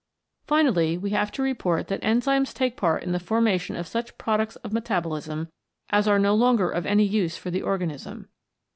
Finally, we have to report that enzymes take part in the formation of such products of meta bolism as are no longer of any use for the organism.